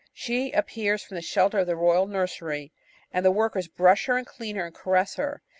She appears from the shelter of the royal nursery, and the workers brush her and clean her and caress her.